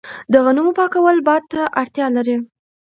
د غنمو پاکول باد ته اړتیا لري.